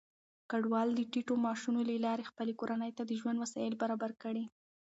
کډوال د ټيټو معاشونو له لارې خپلې کورنۍ ته د ژوند وسايل برابر کړي.